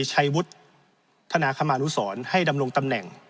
ชัยวุฒิธนาคมานุสรให้ดำรงตำแหน่ง